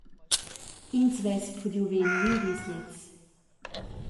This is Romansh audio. Ins vess pudiu ver nuidis gliez.